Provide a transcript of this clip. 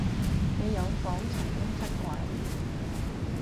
你有否曾經出軌？